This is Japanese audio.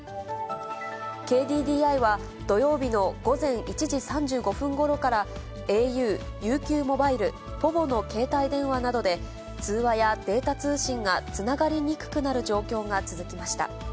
ＫＤＤＩは、土曜日の午前１時３５分ごろから、ａｕ、ＵＱモバイル、ポヴォの携帯電話などで通話やデータ通信がつながりにくくなる状況が続きました。